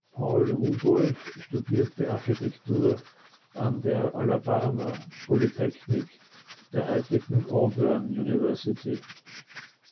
Paul Rudolph studierte Architektur an der "Alabama Polytechnic", der heutigen Auburn University.